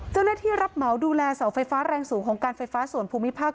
เจ้าหน้าที่รับเหมาดูแลเสาไฟฟ้าแรงสูงของการไฟฟ้าสวนภูมิภาค